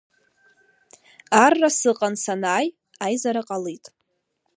Арра сыҟан санааи, аизара ҟалит…